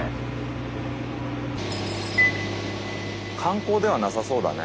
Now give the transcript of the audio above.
観光ではなさそうだね。